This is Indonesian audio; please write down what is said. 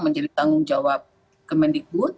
menjadi tanggung jawab kemendikbud